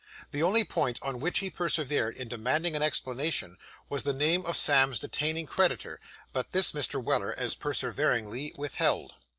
The only point on which he persevered in demanding an explanation, was, the name of Sam's detaining creditor; but this Mr. Weller as perseveringly withheld.